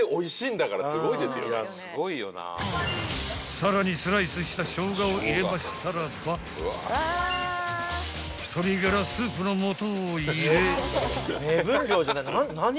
［さらにスライスしたショウガを入れましたらば鶏がらスープの素を入れ］